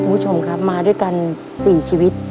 คุณผู้ชมครับมาด้วยกัน๔ชีวิต